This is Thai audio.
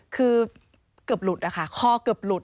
คือเกือบหลุดนะคะคอเกือบหลุด